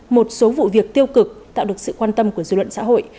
một số vụ việc tiêu cực tạo được sự quan tâm của dư luận xã hội